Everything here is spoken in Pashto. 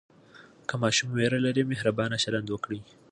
که ماشوم ویره لري، مهربانه چلند وکړئ.